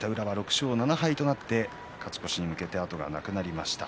宇良は６勝７敗と勝ち越しに向けて後がなくなりました。